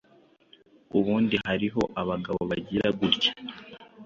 Ubundi hariho abagabo bagira gutya